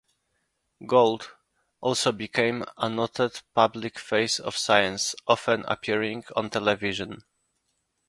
Gould also became a noted public face of science, often appearing on television.